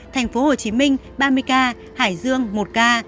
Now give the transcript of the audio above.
thành phố hồ chí minh ba mươi ca hải dương một ca hải pháp một ca